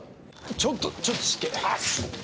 ちょっとちょっと失敬。